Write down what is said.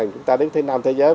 chúng ta đến thế giới